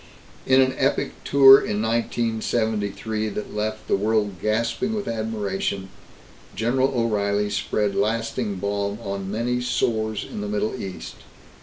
In an epic tour in 1973 that left the world gasping with admiration, General O'Reilly spread lasting balm on many sores in the Middle East.